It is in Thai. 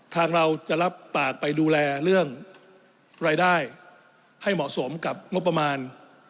ทางเราจะรับปากไปดูแลเรื่องรายได้ให้เหมาะสมกับงบประมาณ